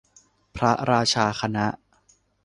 พระราชาคณะ